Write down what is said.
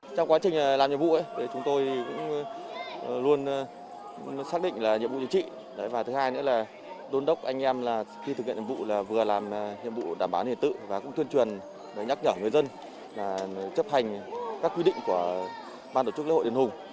thực hiện nhiệm vụ là vừa làm nhiệm vụ đảm bảo nền tự và cũng tuyên truyền nhắc nhở người dân là chấp hành các quy định của ban tổ chức lễ hội đền hùng